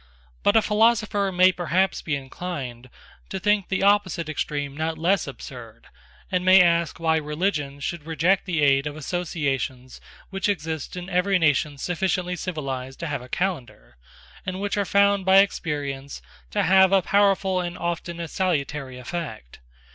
But a philosopher may perhaps be inclined to think the opposite extreme not less absurd, and may ask why religion should reject the aid of associations which exist in every nation sufficiently civilised to have a calendar, and which are found by experience to have a powerful and often a salutary effect.